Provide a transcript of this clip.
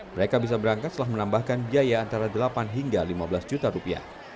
mereka bisa berangkat setelah menambahkan biaya antara delapan hingga lima belas juta rupiah